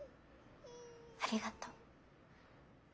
ありがとう。